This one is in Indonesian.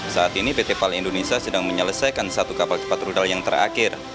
saat ini pt pal indonesia sedang menyelesaikan satu kapal cepat rudal yang terakhir